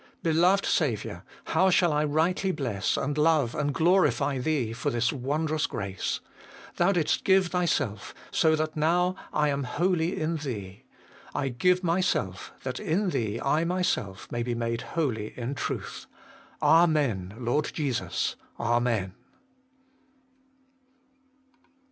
Beloved Saviour ! how shall I rightly bless and love and glorify Thee for this wondrous grace ! Thou didst give Thyself, so that now I am holy in Thee. I give myself, that in Thee I myself may be made holy in truth. Amen. Lord Jesus ! Amen.